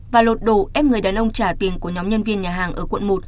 và lột đổ ép người đàn ông trả tiền của nhóm nhân viên nhà hàng ở quận một